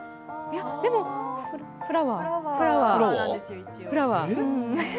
でもフラワー。